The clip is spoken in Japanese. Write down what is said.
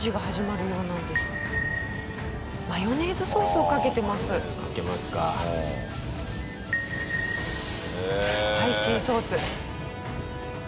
スパイシーソース。